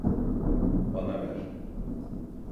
Bana ver.